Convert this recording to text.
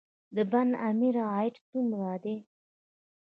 د بند امیر عاید څومره دی؟